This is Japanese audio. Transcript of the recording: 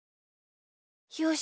よし。